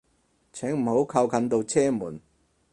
請唔好靠近度車門